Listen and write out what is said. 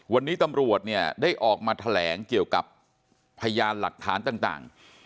วันนี้ตำรวจเนี่ยได้ออกมาแถลงเกี่ยวกับพยานหลักฐานต่าง